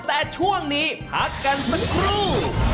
แต่ช่วงนี้พักกันสักครู่